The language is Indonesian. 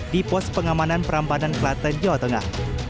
di pos pengamanan perambanan kelaten jawa tengah